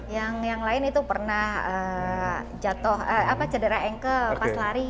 yang lain itu pernah jatuh cedera engkel pas lari